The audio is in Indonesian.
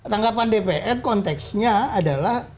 tanggapan dpr konteksnya adalah